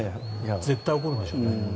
絶対起こるんでしょうね。